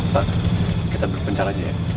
pak kita berpencar aja ya